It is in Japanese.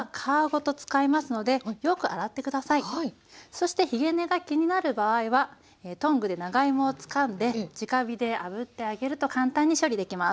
そしてひげ根が気になる場合はトングで長芋をつかんでじか火であぶってあげると簡単に処理できます。